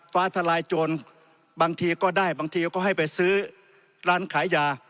ฟ้าทลายโจรบางทีก็ได้บางทีก็ให้ไปซื้อร้านขายยา